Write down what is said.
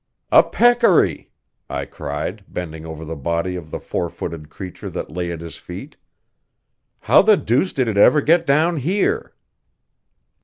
"A peccary!" I cried, bending over the body of the four footed creature that lay at his feet. "How the deuce did it ever get down here?"